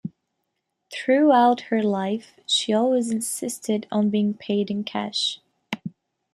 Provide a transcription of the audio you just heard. Throughout her life she always insisted on being paid in cash.